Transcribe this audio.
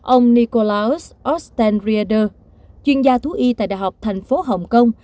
ông nikolaus ostenrieder chuyên gia thú y tại đại học thành phố hồng kông